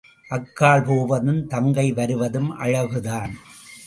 அக்காள் போவதும் தங்கை வருவதும் அழகுதான்.